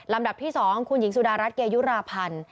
ดับที่๒คุณหญิงสุดารัฐเกยุราพันธ์